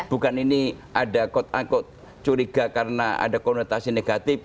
bukan ini ada kod an kod curiga karena ada konotasi negatif